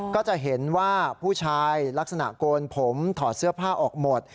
ก็จะเห็นว่าผู้ชายลักษณะโกนผมถอดเสื้อผ้าออกหมด